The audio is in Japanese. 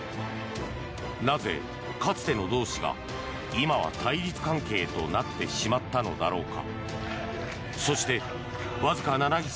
なぜ、かつての同志が今は対立関係となってしまったのだろうか。